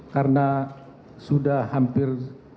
karena sudah hampir